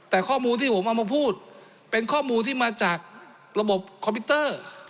แต่ข้อมูลที่ผมเอามาพูดเป็นข้อมูลที่มาจากระบบคอมพิวเตอร์